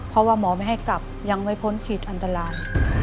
เพราะว่าหมอไม่ให้กลับยังไม่พ้นขีดอันตราย